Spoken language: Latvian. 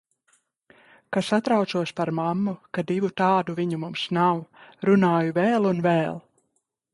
Ka satraucos par mammu, ka divu tādu viņu mums nav. Runāju vēl un vēl.